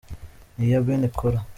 Ni iya bene Kōra.